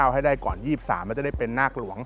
ให้ได้ก่อน๒๓มันจะได้เป็นนาคหลวง